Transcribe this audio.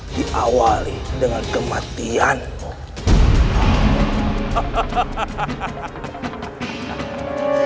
diawali dengan kematianmu